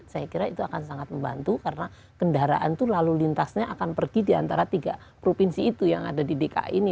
saya kira itu akan sangat membantu karena kendaraan itu lalu lintasnya akan pergi di antara tiga provinsi itu yang ada di dki ini